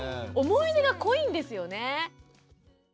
思い出が濃いんですよね。